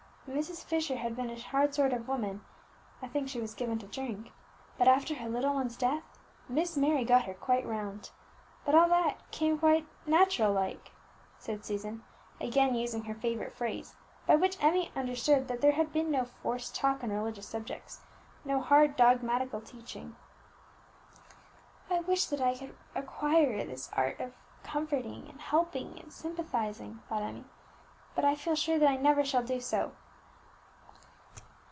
Mrs. Fisher had been a hard sort of woman, I think she was given to drink, but after her little one's death Miss Mary got her quite round. But all that came quite natural like," added Susan, again using her favourite phrase, by which Emmie understood that there had been no forced talk on religious subjects, no hard dogmatical teaching. "I wish that I could acquire this art of comforting and helping and sympathizing," thought Emmie; "but I feel sure that I never shall do so."